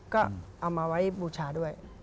ก็เอามาไว้บูชาด้วย